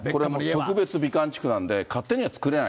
これ、特別美観地区なんで、勝手には造れない。